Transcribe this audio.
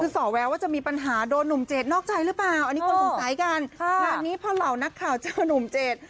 คือส่อแววว่าจะมีปัญหาโดนหนุ่มเจดนอกใจหรือเปล่าอันนี้คนสงสัยกันค่ะงานนี้พอเหล่านักข่าวเจอนุ่มเจด